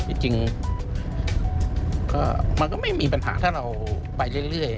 จริงมันก็ไม่มีปัญหาถ้าเราไปเรื่อย